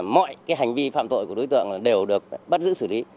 mọi hành vi phạm tội của đối tượng đều được bắt giữ xử lý